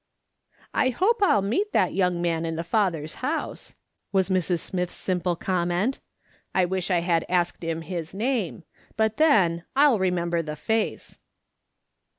" I hope I'll meet that young man in the Father's house," was Mrs. Smith's simple comment. " I wish I had asked him his name ; but then, I'U remember the face."